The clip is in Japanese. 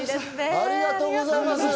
ありがとうございます。